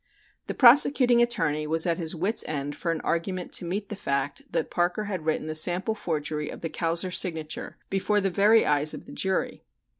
] The prosecuting attorney was at his wits' end for an argument to meet the fact that Parker had written a sample forgery of the Kauser signature before the very eyes of the jury.